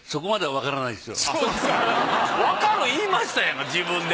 わかる言いましたやんか自分で。